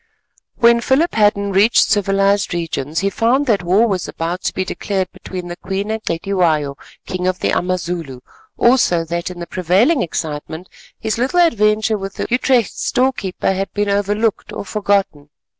When Philip Hadden reached civilised regions, he found that war was about to be declared between the Queen and Cetywayo, King of the Amazulu; also that in the prevailing excitement his little adventure with the Utrecht store keeper had been overlooked or forgotten.